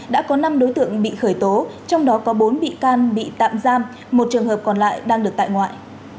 đã có năm đối tượng bị khởi tố trong đó có bốn bị can bị tạm giam một trường hợp còn lại đang được tại ngoại